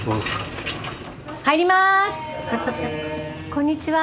こんにちは。